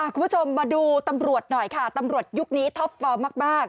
คุณผู้ชมมาดูตำรวจหน่อยค่ะตำรวจยุคนี้ท็อปฟอร์มมาก